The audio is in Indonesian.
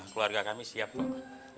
keluarga kami siap pak